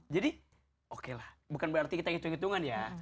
jadi okelah bukan berarti kita ngitung ngitungan ya